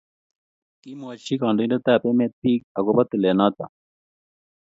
kimwachi kandoten ab emt pik a akopo tilet noton